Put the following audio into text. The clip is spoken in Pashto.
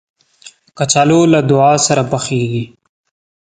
کچالو له دعا سره پخېږي